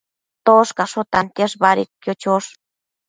Toshcasho tantiash badedquio chosh